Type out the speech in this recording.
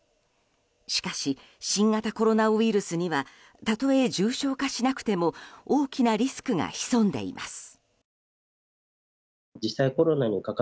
しかし、新型コロナウイルスにはたとえ重症化しなくても大きなリスクが潜んでいます。